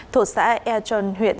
thuộc xã e tuyền